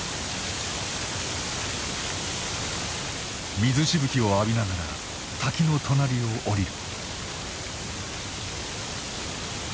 水しぶきを浴びながら滝の隣を下りる。